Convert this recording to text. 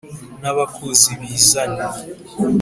N'abakuzi bizane